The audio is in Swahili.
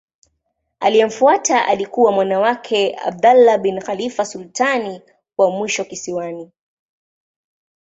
Aliyemfuata alikuwa mwana wake Abdullah bin Khalifa sultani wa mwisho kisiwani.